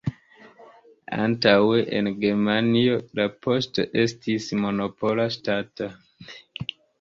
Antaŭe en Germanio la poŝto estis monopola, ŝtata.